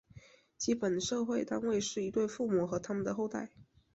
基本社会单元是一对父母和它们的后代。